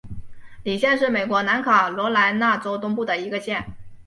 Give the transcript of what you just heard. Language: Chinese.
李县是美国南卡罗莱纳州东部的一个县。